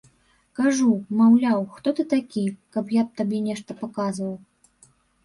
Кажу, маўляў, хто ты такі, каб я табе нешта паказваў.